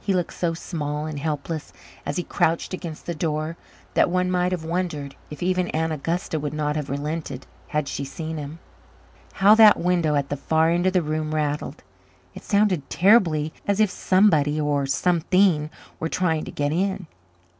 He looked so small and helpless as he crouched against the door that one might have wondered if even Aunt Augusta would not have relented had she seen him. How that window at the far end of the room rattled! It sounded terribly as if somebody or something were trying to get in.